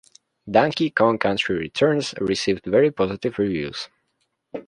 "Donkey Kong Country Returns" received very positive reviews.